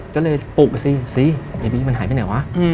ก็เลยปุกสิเสียบีมันหายไปไหนวะ